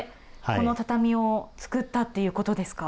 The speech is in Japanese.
この畳をつくったということですか。